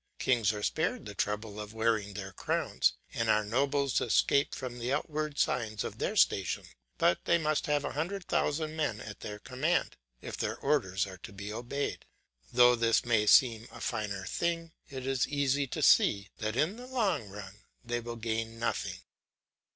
Kings are spared the trouble of wearing their crowns, and our nobles escape from the outward signs of their station, but they must have a hundred thousand men at their command if their orders are to be obeyed. Though this may seem a finer thing, it is easy to see that in the long run they will gain nothing.